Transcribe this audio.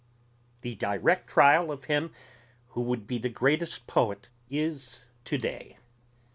The direct trial of him who would be the greatest poet is to day.